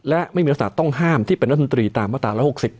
และไม่มีลักษณะต้องห้ามที่เป็นรัฐมนตรีตามมาตรา๑๖๐